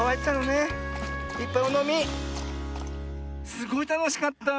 すごいたのしかった。